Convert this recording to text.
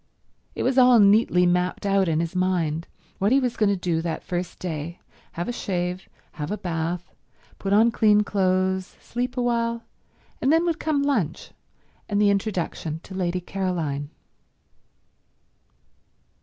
It was all neatly mapped out in his mind, what he was going to do that first day—have a shave, have a bath, put on clean clothes, sleep a while, and then would come lunch and the introduction to Lady Caroline.